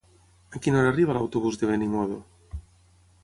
A quina hora arriba l'autobús de Benimodo?